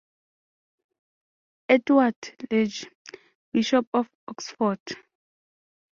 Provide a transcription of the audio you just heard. Edward Legge, Bishop of Oxford.